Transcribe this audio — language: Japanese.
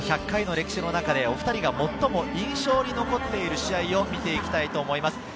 １００回の歴史の中でお２人が最も印象に残っている試合を見ていきたいと思います。